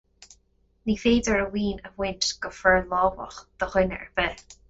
Ní féidir a mhaoin a bhaint go forlámhach de dhuine ar bith.